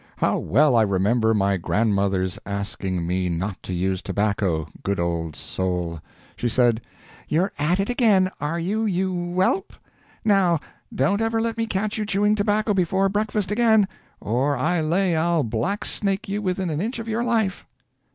How well I remember my grandmother's asking me not to use tobacco, good old soul! She said, "You're at it again, are you, you whelp? Now, don't ever let me catch you chewing tobacco before breakfast again, or I lay I'll black snake you within an inch of your life!"